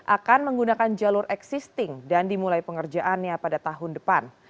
akan menggunakan jalur existing dan dimulai pengerjaannya pada tahun depan